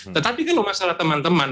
tetapi kalau masalah teman teman